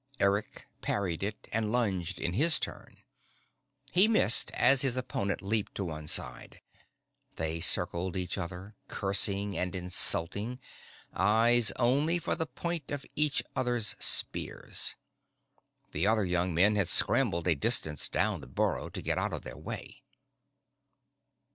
Eric parried it and lunged in his turn. He missed as his opponent leaped to one side. They circled each other, cursing and insulting, eyes only for the point of each other's spears. The other young men had scrambled a distance down the burrow to get out of their way.